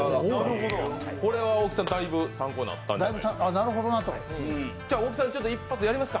これは大木さん、だいぶ参考になったんじゃないですか？